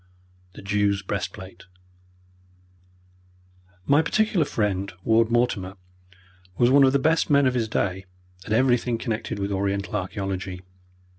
The Jew's Breastplate My particular friend, Ward Mortimer, was one of the best men of his day at everything connected with Oriental archaeology.